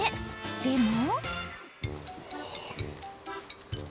でも。